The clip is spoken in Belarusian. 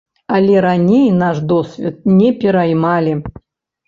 Але раней наш досвед не пераймалі.